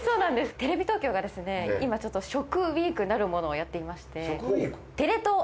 テレビ東京がですね今ちょっと食ウィークなるものをやっていまして。